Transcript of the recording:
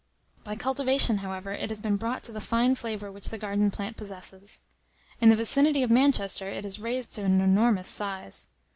By cultivation, however, it has been brought to the fine flavour which the garden plant possesses. In the vicinity of Manchester it is raised to an enormous size.